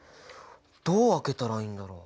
どう分けたらいいんだろう？